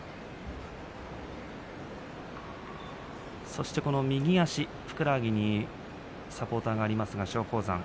そして右足ふくらはぎにサポーターがあります松鳳山。